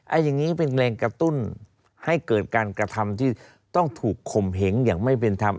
อันนี้เป็นแรงกระตุ้นให้เกิดการกระทำที่ต้องถูกข่มเหงอย่างไม่เป็นธรรม